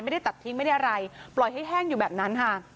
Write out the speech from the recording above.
ไม่ได้ตัดทิ้งไม่ได้อะไรปล่อยให้แห้งอยู่แบบนั้นค่ะ